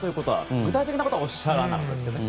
具体的なことはおっしゃらなかったですけども。